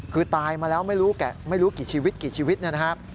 คือตายมาแล้วไม่รู้กี่ชีวิตกี่ชีวิตนะครับ